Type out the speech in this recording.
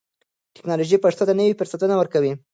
ټکنالوژي پښتو ته نوي فرصتونه ورکوي.